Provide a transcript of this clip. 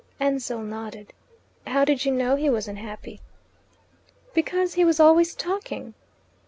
Ansell nodded. "How did you know he was unhappy?" "Because he was always talking."